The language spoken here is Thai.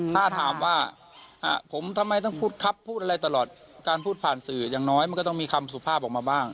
ถ้าถามว่าผมทำไมต้องพูดครับพูดอะไรตลอดการพูดผ่านสื่ออย่างน้อยมันก็ต้องมีคำสุภาพออกมาบ้าง